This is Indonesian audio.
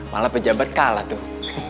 malah pejabat kalah tuh